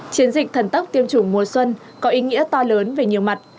chiến dịch thần tốc tiêm chủng mùa xuân có ý nghĩa to lớn về nhiều mặt